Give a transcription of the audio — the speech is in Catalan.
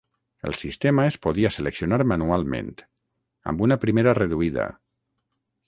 El sistema es podia seleccionar manualment, amb una primera reduïda.